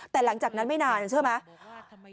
แต่หลังจากนั้นไม่นานเชื่อไหม